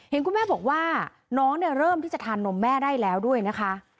คุณแม่บอกว่าน้องเริ่มที่จะทานนมแม่ได้แล้วด้วยนะคะ